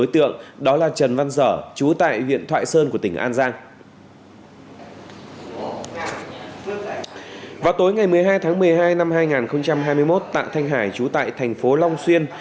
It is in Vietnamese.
tạ thanh hải trú tại thành phố long xuyên